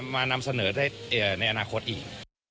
นำเสนอได้ในอนาคตอีก